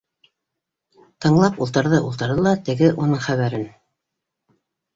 Тыңлап ултырҙы-ултырҙы ла теге уның хәбәрен: